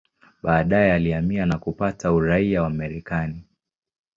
Baadaye alihamia na kupata uraia wa Marekani.